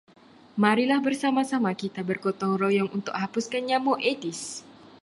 Marilah bersama-sama kita bergotong royong untuk hapuskan nyamuk aedes.